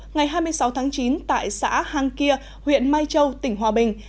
ngày hai mươi sáu tháng chín tại xã hang kia huyện mai châu tỉnh hòa bình